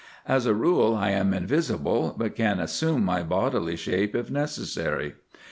As a rule I am invisible, but can assume my bodily shape if necessary.